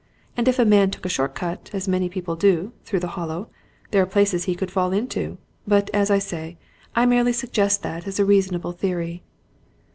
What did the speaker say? And if a man took a short cut as many people do through the Hollow, there are places he could fall into. But, as I say, I merely suggest that as a reasonable theory."